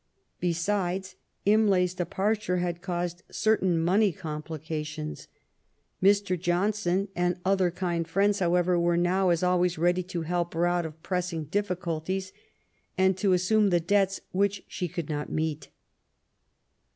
Besides, Imlay 's departure had caused certain money complications. Mr. Johnson and other kind friends, however, were now, as always, ready to help her out of pressing difficulties, and to assume the debts which she could not meet.